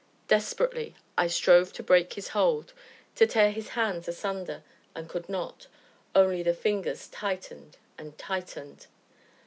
Desperately I strove to break his hold, to tear his hands asunder, and could not; only the fingers tightened and tightened.